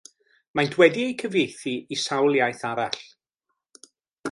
Maent wedi eu cyfieithu i sawl iaith arall.